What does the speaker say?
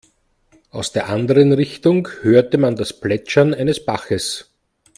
Aus der anderen Richtung hörte man das Plätschern eines Baches.